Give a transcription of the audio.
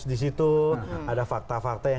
di situ ada fakta fakta yang